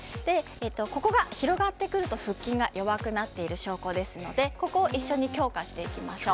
ここが広がってくると腹筋が弱くなっている証拠ですのでここを一緒に強化していきましょう。